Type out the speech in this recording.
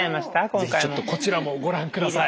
是非ちょっとこちらもご覧ください。